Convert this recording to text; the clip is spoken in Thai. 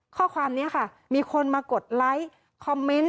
ข้อความนี้ค่ะมีคนมากดไลค์คอมเมนต์